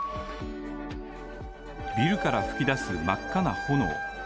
ビルから吹き出す真っ赤な炎。